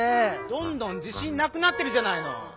どんどんじしんなくなってるじゃないの！